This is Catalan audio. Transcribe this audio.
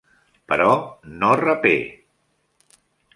Però no rapè.